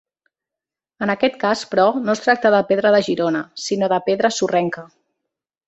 En aquest cas però no es tracta de pedra de Girona, sinó de pedra sorrenca.